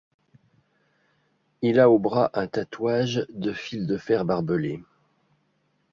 Il a au bras un tatouage de fil de fer barbelé.